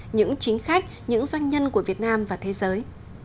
những chính khách những doanh nhân của việt nam và thế giới